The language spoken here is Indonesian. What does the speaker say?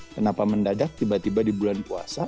kenapa mendadak tiba tiba di bulan puasa